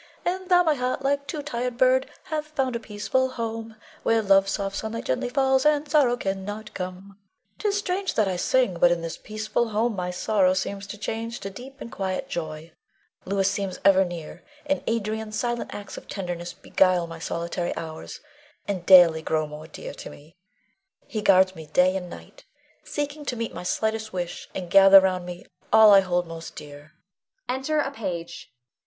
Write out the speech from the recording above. And thou, my heart, like to tired bird, Hath found a peaceful home, Where love's soft sunlight gently falls, And sorrow cannot come. Leonore. 'Tis strange that I can sing, but in this peaceful home my sorrow seems to change to deep and quiet joy. Louis seems ever near, and Adrian's silent acts of tenderness beguile my solitary hours, and daily grow more dear to me. He guards me day and night, seeking to meet my slightest wish, and gather round me all I hold most dear. [Enter a Page.